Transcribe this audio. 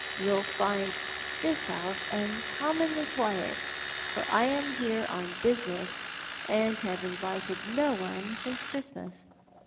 You'll find this house uncommonly quiet, for I am here on business, and have invited no one since Christmas.